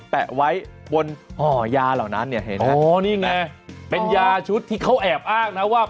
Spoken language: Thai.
แปะไว้บนห่อยาเหล่านั้นเนี่ยเห็นไหมอ๋อนี่ไงเป็นยาชุดที่เขาแอบอ้างนะว่า